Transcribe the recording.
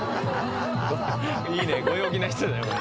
いいねご陽気な人だね。